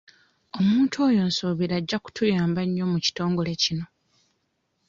Omuntu oyo nsuubira ajja kutuyamba nnyo mu kitongole kino.